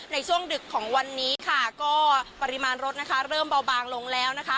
ในช่วงดึกของวันนี้ก็ปริมาณรถเริ่มเบาบางลงแล้ว